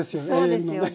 そうですよね。